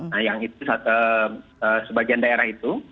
nah yang itu sebagian daerah itu